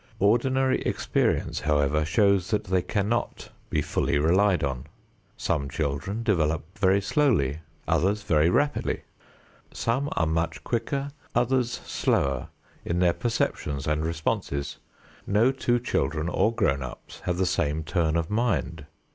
Ordinary experience, however, shows that they cannot be fully relied on. Some children develop very slowly, others very rapidly. Some are much quicker, others slower in their perceptions and responses. No two children or grown ups have the same turn of mind.